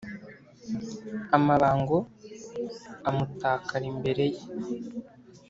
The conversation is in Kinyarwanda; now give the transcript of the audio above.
Amabango amutakara imbere ye;